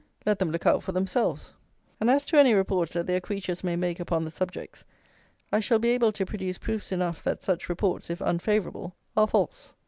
Let them look out for themselves; and as to any reports that their creatures may make upon the subjects I shall be able to produce proofs enough that such reports, if unfavourable, are false.